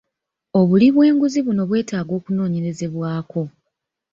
Obuli bw'enguzi buno bwetaaga okunoonyerezebwako.